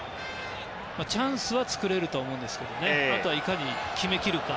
チャンスは作れると思うのでいかに、あとは決めきれるか